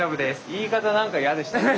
言い方何か嫌でしたね。